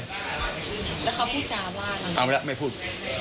แล้วเขาพูดจาว่ากันเอาแล้วไม่พูด